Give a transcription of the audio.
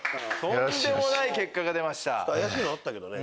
とんでもない結果が出ました。